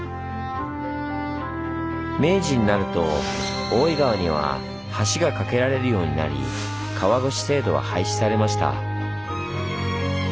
明治になると大井川には橋が架けられるようになり川越制度は廃止されました。